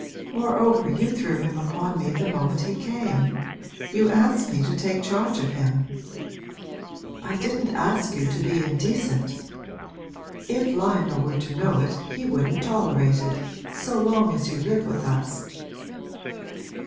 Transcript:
Moreover you threw him upon me the moment he came you asked me to take charge of him.' 'I didn't ask you to be indecent! If Lionel were to know it he wouldn't tolerate it, so long as you live with us.'